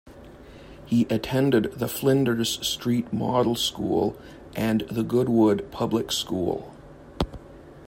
He attended the Flinders Street Model School and the Goodwood Public School.